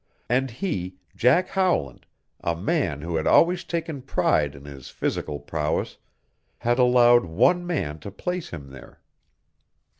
And he, Jack Howland, a man who had always taken pride in his physical prowess, had allowed one man to place him there.